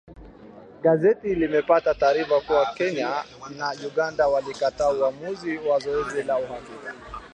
Gazeti limepata taarifa kuwa Kenya na Uganda walikataa uamuzi wa zoezi la uhakiki